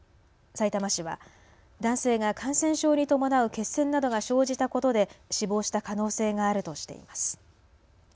さいたま市は男性が感染症に伴う血栓などが生じたことで死亡した可能性があるとしています。